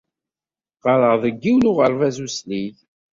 Qqareɣ deg yiwen n uɣerbaz uslig.